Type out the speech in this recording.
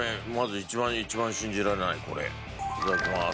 いただきます。